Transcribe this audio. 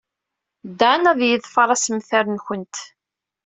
Dan ad yeḍfer assemter-nwent.